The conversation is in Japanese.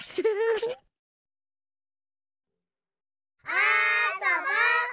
あそぼ！